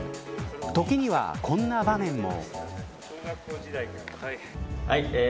時には、こんな場面も。